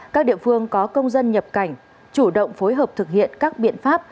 các địa phương có công dân nhập cảnh chủ động phối hợp thực hiện các biện pháp